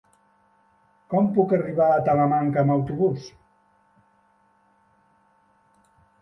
Com puc arribar a Talamanca amb autobús?